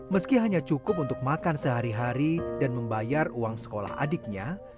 meski hanya cukup untuk makan sehari hari dan membayar uang sekolah adiknya